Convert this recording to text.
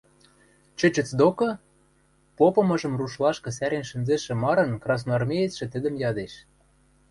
– Чӹчӹц докы? – попымыжым рушлашкы сӓрен шӹнзӹшӹ марын красноармеецшӹ тӹдӹм ядеш.